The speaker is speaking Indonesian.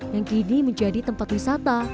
yang kini menjadi tempat wisata